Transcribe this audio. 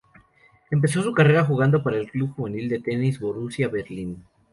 Empezó su carrera jugando para el club juvenil de Tennis Borussia Berlin.